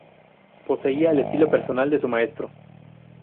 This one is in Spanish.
Poseía el estilo personal de su maestro.